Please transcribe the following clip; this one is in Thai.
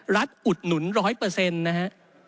อุดหนุน๑๐๐นะฮะ